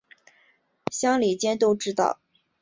乡里间都知道